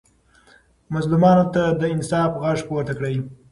مظلومانو ته د انصاف غږ پورته کړئ.